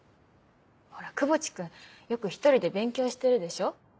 ほら窪地君よく一人で勉強してるでしょ。